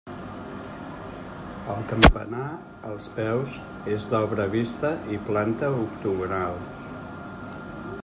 El campanar, als peus, és d'obra vista i planta octogonal.